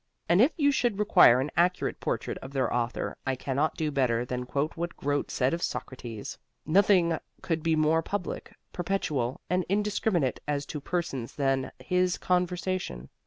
And if you should require an accurate portrait of their author I cannot do better than quote what Grote said of Socrates: Nothing could be more public, perpetual, and indiscriminate as to persons than his conversation.